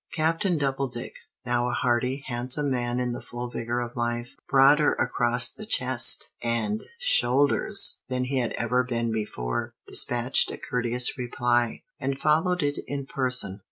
Captain Doubledick, now a hardy, handsome man in the full vigor of life, broader across the chest and shoulders than he had ever been before, dispatched a courteous reply, and followed it in person.